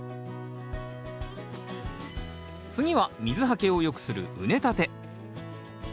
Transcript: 次は水はけをよくする畝立て。